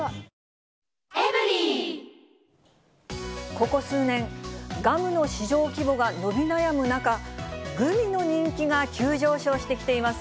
ここ数年、ガムの市場規模が伸び悩む中、グミの人気が急上昇してきています。